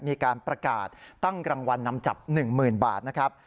มีการประกาศตั้งรางวัลนำจับ๑๐๐๐บาทนะครับ